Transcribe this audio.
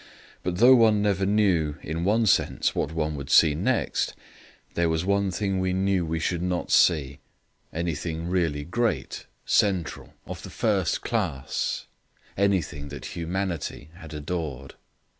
But though one never knew, in one sense, what one would see next, there was one thing we knew we should not see anything really great, central, of the first class, anything that humanity had adored.